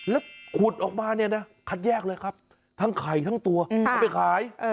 แล้วขุดออกมาเนี่ยนะคัดแยกเลยครับทั้งไข่ทั้งตัวเอาไปขาย